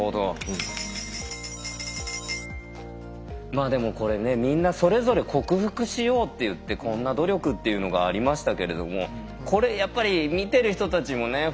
まあでもこれねみんなそれぞれ克服しようっていってこんな努力っていうのがありましたけれどもこれやっぱり見てる人たちもね